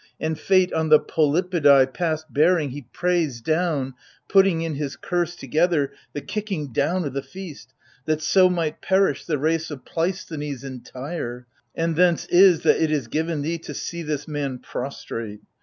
And fate on the Pelopidai past bearing He prays down — putting in his curse together The kicking down o' the feast — that so might perish The race of Pleisthenes entire : and thence is That it is given thee to see this man prostrate.